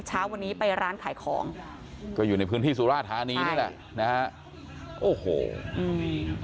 เช้าวันนี้ไปร้านขายของก็อยู่ในพื้นที่สุราธานีนี่แหละนะฮะโอ้โหอืม